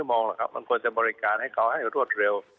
รอ๒๓ชั่วโมงแล้วมันควรมบริการให้เขาให้รวดเร็ว